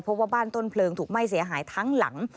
เพราะว่าบ้านต้นเพลิงถูกไหม้เสียหายทั้งหลัง